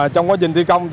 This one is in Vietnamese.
trong quá trình thi công